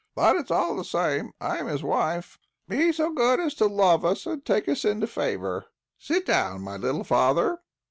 But it's all the same, I am his wife. Be so good as to love us and take us into favour. Sit down, my little father."